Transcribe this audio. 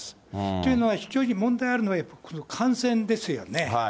というのは、非常に問題あるのは、この感染ですよね。